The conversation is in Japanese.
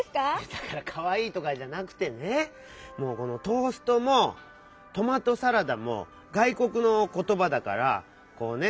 だから「かわいい」とかじゃなくてねこの「トースト」も「トマトサラダ」もがいこくのことばだからこうね